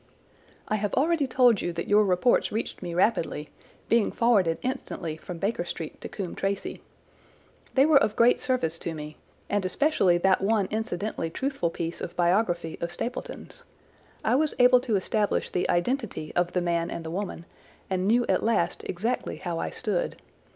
"I have already told you that your reports reached me rapidly, being forwarded instantly from Baker Street to Coombe Tracey. They were of great service to me, and especially that one incidentally truthful piece of biography of Stapleton's. I was able to establish the identity of the man and the woman and knew at last exactly how I stood.